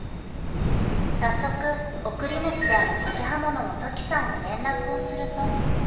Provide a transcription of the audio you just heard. ［早速送り主である土岐刃物の土岐さんに連絡をすると］